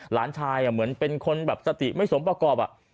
หลานชายเหมือนเป็นคนแบบสติไม่สมประกอบ